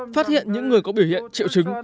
phát hiện những người có biểu hiện triệu chứng